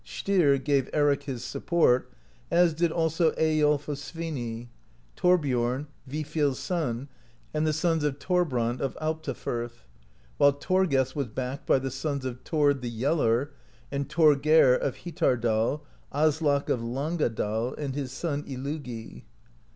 Styr gave Eric his support, as did also Eyiolf of Sviney, Thorbiom, Vifil's son, and the sons of Thorbrand of Alptafirth; while Thorgest was backed by the sons of Thord the Yeller, and Thorgeir of Hitardal, Aslak of Langadal and his son, Illugi.